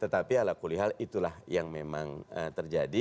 tetapi ala kulihal itulah yang memang terjadi